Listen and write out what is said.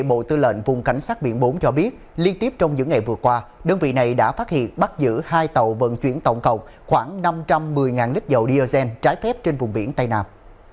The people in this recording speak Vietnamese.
bộ tư lệnh vùng cảnh sát biển bốn cho biết liên tiếp trong những ngày vừa qua đơn vị này đã phát hiện bắt giữ hai tàu vận chuyển tổng cộng khoảng năm trăm một mươi lít dầu diazen trái phép trên vùng biển tây nam